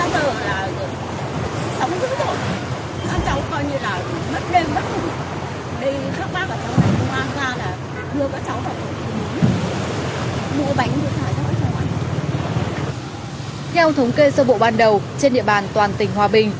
theo thống kê sơ bộ ban đầu trên địa bàn toàn tỉnh hòa bình